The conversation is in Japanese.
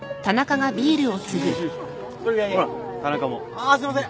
ああすいません。